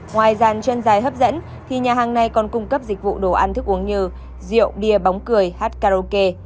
ngoài dàn chân dài hấp dẫn thì nhà hàng này còn cung cấp dịch vụ đồ ăn thức uống như rượu bia bóng cười hát karaoke